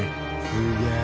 すげえ！